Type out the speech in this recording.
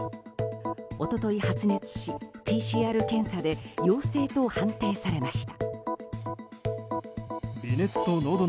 一昨日発熱しＰＣＲ検査で陽性と判定されました。